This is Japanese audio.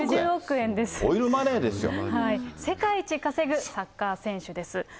世界一稼ぐサッカー選手です。